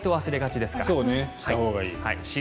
したほうがいい。